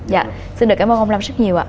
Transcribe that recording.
dạ vâng xin được cảm ơn ông lâm rất nhiều ạ